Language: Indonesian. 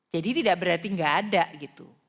jadi tidak berarti tidak ada gitu